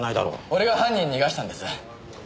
俺が犯人逃がしたんです！